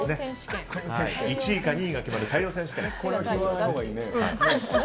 １位か２位が決まる太陽選手権。